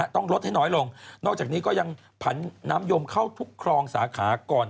ต้องลดให้น้อยลงนอกจากนี้ก็ยังผันน้ำยมเข้าทุกครองสาขาก่อน